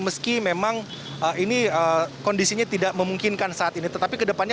meski memang ini kondisinya tidak memungkinkan saat ini tetapi kedepannya